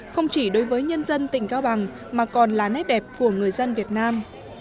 không chỉ đối với nhân dân tỉnh cao bằng mà còn là nét đẹp của người dân việt nam